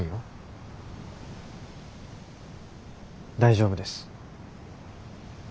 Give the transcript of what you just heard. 大丈夫です。